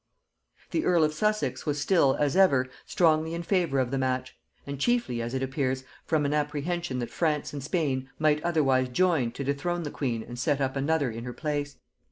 The earl of Sussex was still, as ever, strongly in favor of the match; and chiefly, as it appears, from an apprehension that France and Spain might otherwise join to dethrone the queen and set up another in her place.